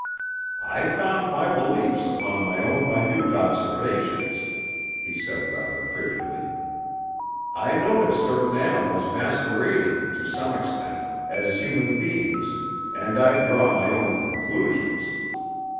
"I found my beliefs upon my own minute observations," he said rather frigidly. "I notice certain animals masquerading to some extent as human beings, and I draw my own conclusions.